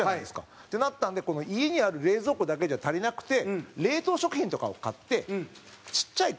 ってなったんで、家にある冷蔵庫だけじゃ足りなくて冷凍食品とかを買ってちっちゃい冷凍庫。